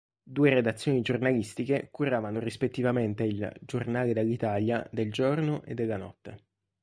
Due redazioni giornalistiche curavano rispettivamente il "Giornale dall’Italia" del giorno e della notte.